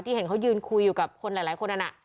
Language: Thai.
เห็นเขายืนคุยอยู่กับคนหลายคนนั้น